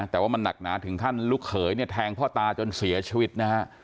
แต่ว่ามันหนักหนาถึงขั้นลูกเขยเนี่ยแทงพ่อตาจนเสียชีวิตนะฮะ